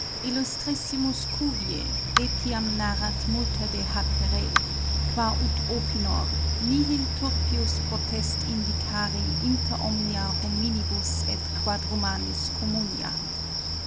Illustrissimus Cuvier etiam narrat multa de hac re, qua ut opinor, nihil turpius potest indicari inter omnia hominibus et Quadrumanis communia.